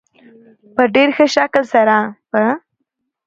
په ډېر ښه شکل سره په